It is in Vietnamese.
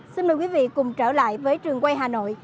xin mời quý vị cùng trở lại với trường quay hà nội